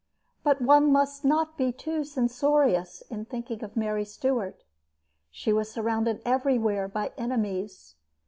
But one must not be too censorious in thinking of Mary Stuart. She was surrounded everywhere by enemies.